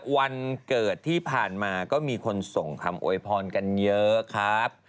วันเกิดที่ผ่านมาก็มีคนส่งคำโวยพรกันเยอะครับ